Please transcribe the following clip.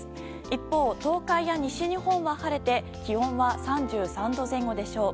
一方、東海や西日本は晴れて気温は３３度前後でしょう。